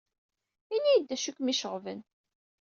Ini-iyi-d d acu ay kem-iceɣben.